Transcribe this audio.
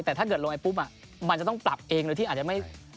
แต่ถ้าเกิดลงไปปุ๊บมันจะต้องปรับเองโดยที่อาจจะไม่